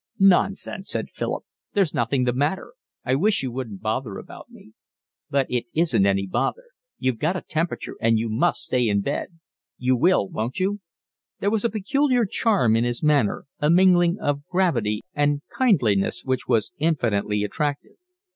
"Nonsense," said Philip. "There's nothing the matter. I wish you wouldn't bother about me." "But it isn't any bother. You've got a temperature and you must stay in bed. You will, won't you?" There was a peculiar charm in his manner, a mingling of gravity and kindliness, which was infinitely attractive.